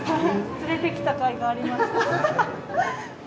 連れてきたかいがあります。